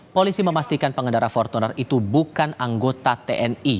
polisi memastikan pengendara fortoner itu bukan anggota tni